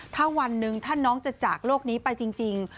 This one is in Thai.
ถ้าวันหนึ่งถ้าน้องจะจากโลกนี้ไปจริง